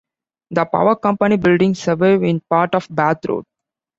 The Power Company buildings survive in part on Bath Road.